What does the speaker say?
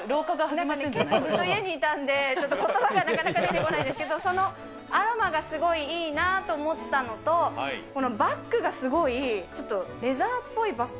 なんかね、結構ずっと家にいたんで、ちょっとことばがなかなか出てこないですけど、そのアロマがすごいいいなと思ったのと、このバッグがすごいちょっとレザーっぽいバッグ？